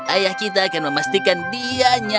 ayah kita akan memastikan dia nyaman